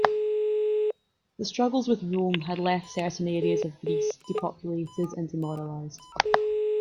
The struggles with Rome had left certain areas of Greece depopulated and demoralised.